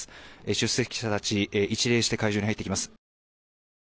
出席者たち一礼して会場に入ります。